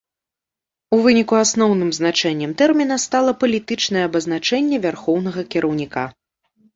У выніку, асноўным значэннем тэрміна стала палітычнае абазначэнне вярхоўнага кіраўніка.